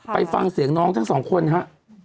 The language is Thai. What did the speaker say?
ไปฟังเสียงน้องทั้งสองคนฮะ